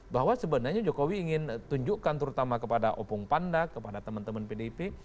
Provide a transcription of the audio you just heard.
bahwa sebenarnya jokowi ingin tunjukkan terutama kepada opung panda kepada teman teman pdip